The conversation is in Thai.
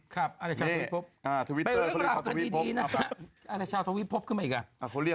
ก็น่าจะหวังใจ